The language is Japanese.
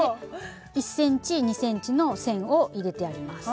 １ｃｍ２ｃｍの線を入れてあります。